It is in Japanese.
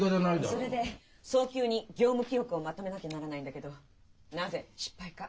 それで早急に業務記録をまとめなきゃならないんだけど「なぜ失敗か」